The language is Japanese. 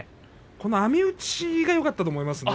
この網打ちがよかったと思いますね。